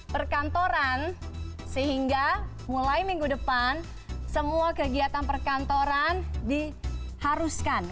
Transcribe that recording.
perkantoran sehingga mulai minggu depan semua kegiatan perkantoran diharuskan